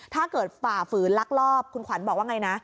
ฝ่าฝืนลักลอบคุณขวัญบอกว่าไงนะ